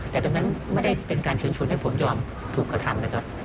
แต่ตรงนั้นไม่ได้เป็นการเชิญชวนให้ผมยอมถูกกระทำนะครับ